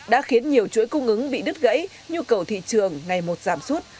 đã khiến nhiều chuỗi cung ứng bị đứt gãy nhu cầu thị trường ngày một giảm suốt